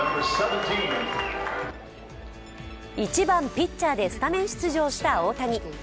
１番・ピッチャーでスタメン出場した大谷。